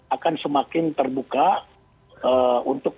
akan semakin terbuka untuk